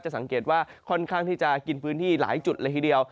สังเกตว่าค่อนข้างที่จะกินพื้นที่หลายจุดเลยทีเดียว